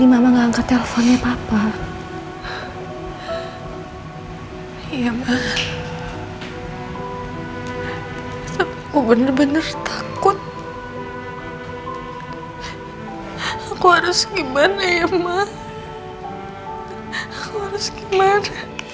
untuk mempertahankan andin